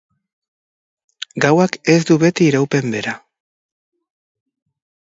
Gauak ez du beti iraupen bera.